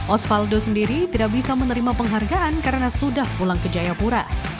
osvaldo sendiri tidak bisa menerima penghargaan karena sudah pulang ke jayapura